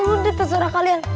udah terserah kalian